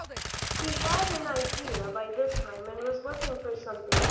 He had an idea in his head by this time and was looking for something.